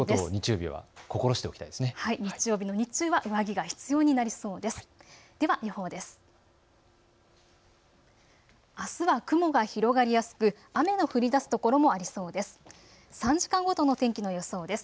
日中は上着が必要になりそうです。